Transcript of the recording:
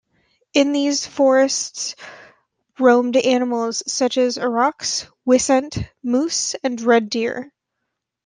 In these forests roamed animals such as aurochs, wisent, moose and red deer.